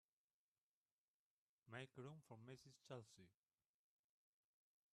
Make room for Mrs. Chelsea.